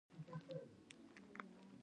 دوی اوس ډالر او یورو ساتي.